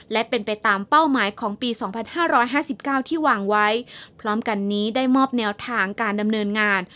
และเป็นไปตามเป้าหมายของปี๒๕๕๙ที่วางไว้พร้อมกันนี้ได้มอบแนวทางการดำเนินงาน